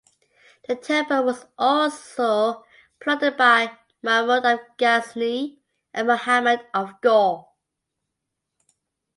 The temple was also plundered by Mahmud of Ghazni and Muhammad of Ghor.